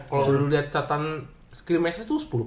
kalo lu liat catan screen matchnya tuh sepuluh point